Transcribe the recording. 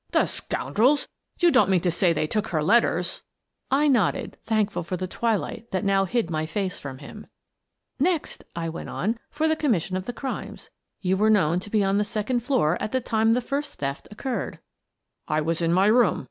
" The scoundrels ! You don't mean to say they took her letters?" "Thou Art the Man" 137 I nodded, thankful for the twilight that now hid my face from him. " Next," I went on, " for the commission of the crimes : You were known to be on the second floor at the time the first theft occurred." " I was in my room.